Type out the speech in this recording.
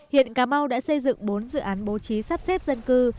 hiện cà mau đã xây dựng bốn dự án bố trí sắp xếp dân cư